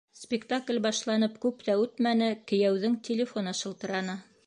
Спектакль башланып, күп тә үтмәне, кейәүҙең телефоны шылтыраны.